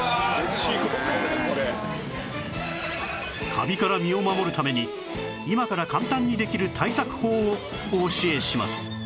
カビから身を守るために今から簡単にできる対策法をお教えします